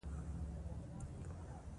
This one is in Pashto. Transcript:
کلتور د افغان تاریخ په کتابونو کې ذکر شوی دي.